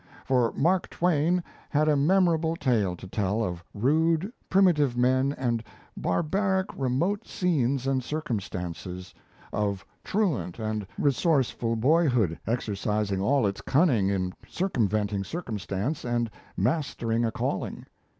For Mark Twain had a memorable tale to tell of rude, primitive men and barbaric, remote scenes and circumstances; of truant and resourceful boyhood exercising all its cunning in circumventing circumstance and mastering a calling.